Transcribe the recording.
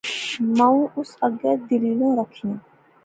مائو اس اگے دلیلاں رکھیاں